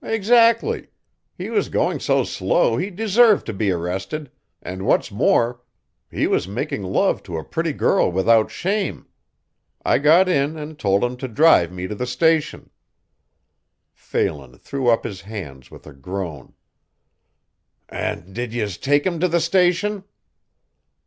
"Exactly! He was going so slow he deserved to be arrested, and what's more, he was making love to a pretty girl without shame. I got in and told him to drive me to the station." Phelan threw up his hands with a groan. "An' did yez take him to the station?"